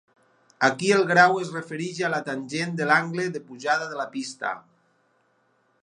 Aquí el grau es refereix a la tangent de l'angle de pujada de la pista.